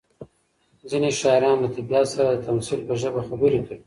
ځینې شاعران له طبیعت سره د تمثیل په ژبه خبرې کوي.